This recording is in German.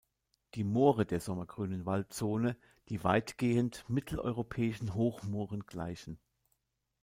Die "Moore der sommergrünen Waldzone", die weitgehend mitteleuropäischen Hochmooren gleichen.